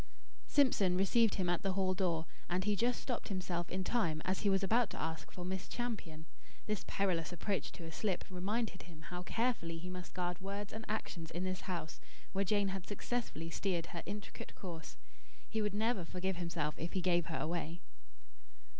Simpson received him at the hall door; and he just stopped himself in time, as he was about to ask for Miss Champion. This perilous approach to a slip reminded him how carefully he must guard words and actions in this house, where Jane had successfully steered her intricate course. He would never forgive himself if he gave her away.